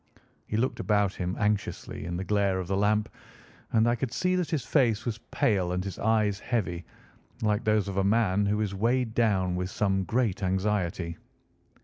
He looked about him anxiously in the glare of the lamp, and I could see that his face was pale and his eyes heavy, like those of a man who is weighed down with some great anxiety.